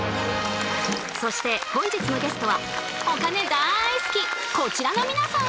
そして本日のゲストはお金だいすきこちらの皆さん！